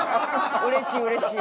うれしいうれしい。